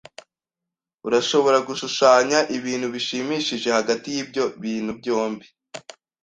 Urashobora gushushanya ibintu bishimishije hagati yibyo bintu byombi.